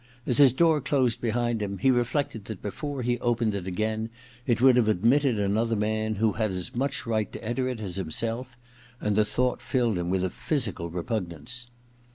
As his door closed behind him he reflected that before he opened it again it would have admitted another man who had as much right to enter it as himself, and the thought filled him with a physical repugnance.